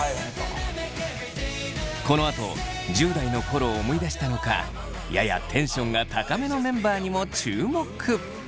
このあと１０代の頃を思い出したのかややテンションが高めのメンバーにも注目。